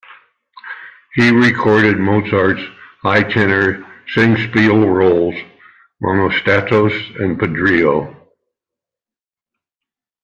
He recorded Mozart's high-tenor "Singspiel" roles, Monostatos and Pedrillo.